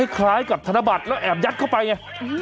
คล้ายกับธนบัตรแล้วแอบยัดเข้าไปไง